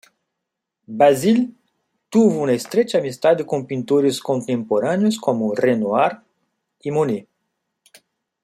Bazille tuvo una estrecha amistad con pintores contemporáneos como Renoir y Monet.